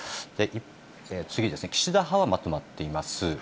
次ですね、岸田派はまとまっています。